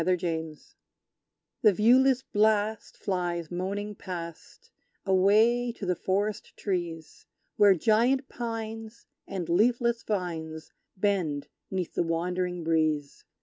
The Curlew Song The viewless blast flies moaning past, Away to the forest trees, Where giant pines and leafless vines Bend 'neath the wandering breeze!